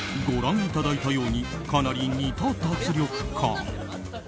ご覧いただいたようにかなり似た脱力感。